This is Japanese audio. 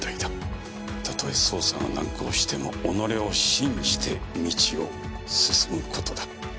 たとえ捜査が難航しても己を信じて道を進む事だ。